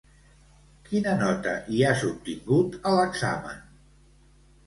Quina nota hi has obtingut, a l'examen?